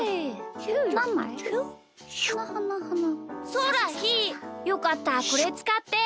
そうだひーよかったらこれつかって。